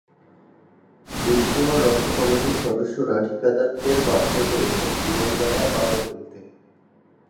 দুধকুমার রক্ষা কমিটির সদস্যরা ঠিকাদারদের বাধ্য করেছেন দিনের বেলায় বালু ফেলতে।